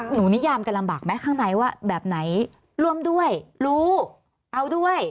นิยามกันลำบากไหมข้างในว่าแบบไหนร่วมด้วยรู้เอาด้วย